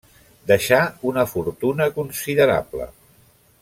Deixà una fortuna considerable.